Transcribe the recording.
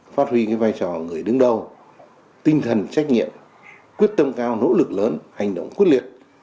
phát huy vai trò người đứng đầu tinh thần trách nhiệm quyết tâm cao nỗ lực lớn hành động quyết liệt